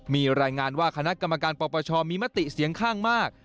มีรายงานว่าคณะกรรมการปปชมีมติเสียงข้างมาก